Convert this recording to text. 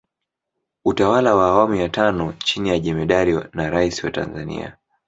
Utawala wa awamu ya tano chini ya Jemedari na Rais wa Watanzania